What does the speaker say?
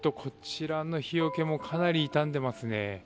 近づいてみるとこちらの日除けもかなり傷んでいますね。